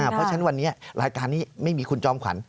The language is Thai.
เพราะฉะนั้นวันนี้รายการนี้ไม่มีคุณจอมขวัญ